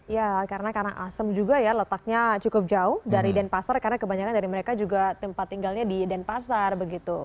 ya karena asem juga ya letaknya cukup jauh dari denpasar karena kebanyakan dari mereka juga tempat tinggalnya di denpasar begitu